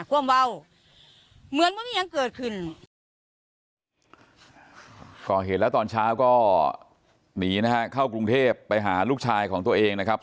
ก็เห็นแล้วตอนเช้าก็หนีเข้ากรุงเทพฯไปหาลูกชายของตัวเองนะครับ